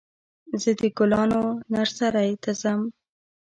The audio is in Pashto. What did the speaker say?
زه د ګلانو نرسرۍ ته ځم.